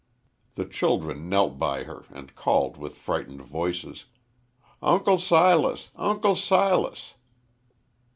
The children knelt by her and called with frightened voices: "Uncle Silas! Uncle Silas!"